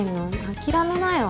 諦めなよ。